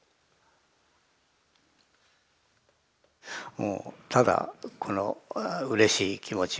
もうただこのうれしい気持ちを弾きます。